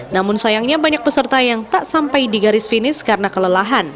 namun sayangnya banyak peserta yang tak sampai di garis finis karena kelelahan